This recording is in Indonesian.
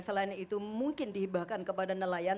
selain itu mungkin dihibahkan kepada nelayan